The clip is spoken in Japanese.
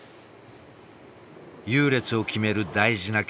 優劣を決める大事な局面